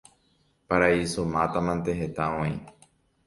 paraíso mátamante heta oĩ